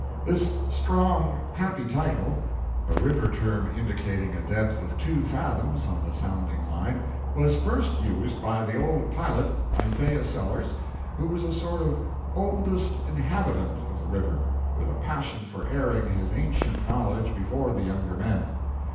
This strong, happy title a river term indicating a depth of two fathoms on the sounding line was first used by the old pilot, Isaiah Sellers, who was a sort of "oldest inhabitant" of the river, with a passion for airing his ancient knowledge before the younger men.